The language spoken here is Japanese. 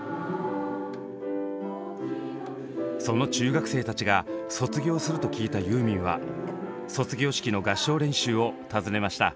その中学生たちが卒業すると聞いたユーミンは卒業式の合唱練習を訪ねました。